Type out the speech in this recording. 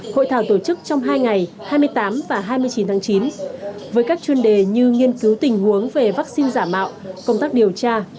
hội thảo tổ chức trong hai ngày hai mươi tám và hai mươi chín tháng chín với các chuyên đề như nghiên cứu tình huống về vaccine giả mạo công tác điều tra